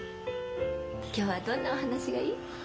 今日はどんなお話がいい？